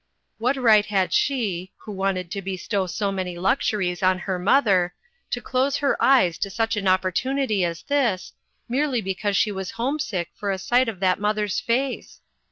What right had she, who wanted to bestow so many luxuries on her mother, to close her eyes to such an op portunity as this, merely because she was homesick for a sight of that mother's face?